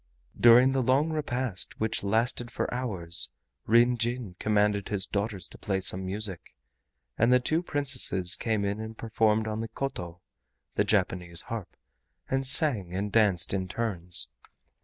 During the long repast, which lasted for hours, Ryn Jin commanded his daughters to play some music, and the two Princesses came in and performed on the KOTO (the Japanese harp), and sang and danced in turns.